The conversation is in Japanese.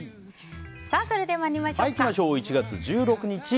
それでは参りましょう。